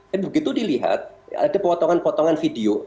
dan begitu dilihat ada potongan potongan video